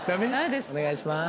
お願いします。